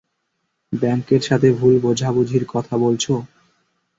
ব্যাংকের সাথে ভুল বোঝাবুঝির কথা বলছো?